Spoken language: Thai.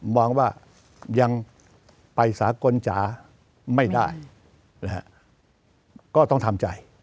มองว่ายังไปสากลจ๋าไม่ได้นะฮะก็ต้องทำใจ